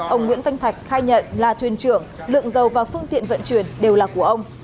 ông nguyễn văn thạch khai nhận là thuyền trưởng lượng dầu và phương tiện vận chuyển đều là của ông